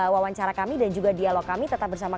wawancara kami dan juga dialog kami tetap bersama